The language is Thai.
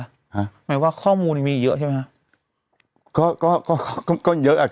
หมายว่าข้อมูลมีเยอะใช่มั้ย